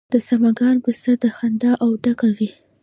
د سمنګان پسته خندان او ډکه وي.